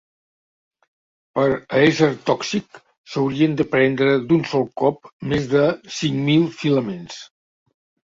Per a ésser tòxic s'haurien de prendre d'un sol cop més de cinc mil filaments.